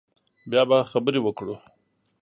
بیا به خبرې وکړو